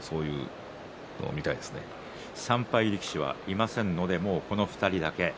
３敗力士はいませんのでこの２人だけ。